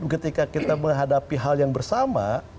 ketika kita menghadapi hal yang bersama